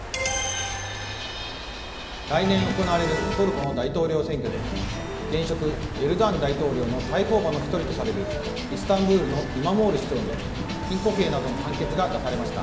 来年行われるトルコの大統領選挙で現職エルドアン大統領の対抗馬の１人とされるイスタンブールのイマモール市長に禁錮刑などの判決が出されました。